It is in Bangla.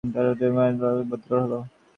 তাকে ড্রীম ল্যাবোরেটরিতে ভর্তি করা হল।